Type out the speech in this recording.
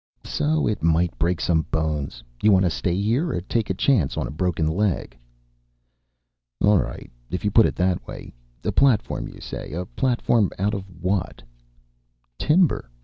"So it might break some bones. You want to stay here or take a chance on a broken leg?" "All right, if you put it that way. A platform, you say. A platform out of what?" "Timber.